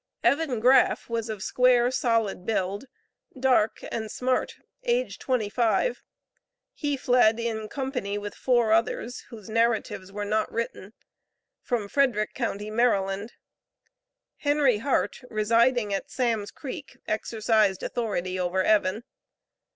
Evan Graff was of square solid build, dark, and smart, age twenty five. He fled in company with four others (whose narratives were not written), from Frederick county, Maryland. Henry Heart, residing at Sam's Creek, exercised authority over Evan.